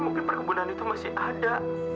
mungkin perkebunan itu masih ada